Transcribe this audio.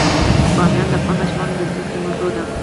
بامیان د افغان ماشومانو د زده کړې موضوع ده.